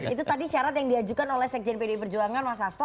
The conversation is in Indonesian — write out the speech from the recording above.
itu tadi syarat yang diajukan oleh sekjen pdi perjuangan mas hasto